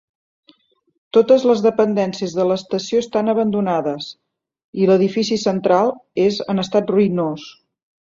Totes les dependències de l'estació estan abandonades, i l'edifici central és en estat ruïnós.